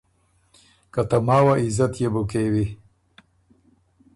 که ته ماوه عزت يې بو کېوی۔